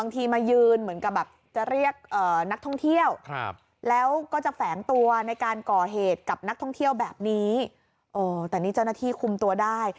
แต่นี่เจ้าหน้าที่คุมตัวได้